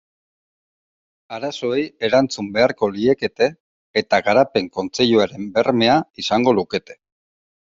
Arazoei erantzun beharko liekete eta Garapen Kontseiluaren bermea izango lukete.